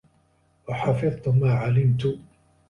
وَحَفِظْت مَا عَلِمْت